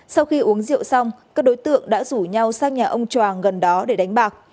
sau khi uống rượu xong các đối tượng đã rủ nhau sang nhà ông tròng gần đó để đánh bạc